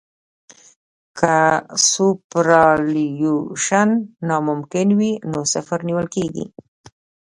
که سوپرایلیویشن ناممکن وي نو صفر نیول کیږي